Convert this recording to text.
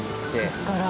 そこから。